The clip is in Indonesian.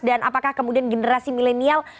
dan apakah kemudian generasi milenial